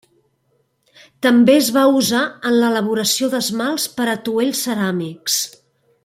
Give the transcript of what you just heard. També es va usar en l'elaboració d'esmalts per atuells ceràmics.